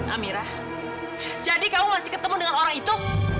amirah jadi kamu masih ketemu dengan orang itu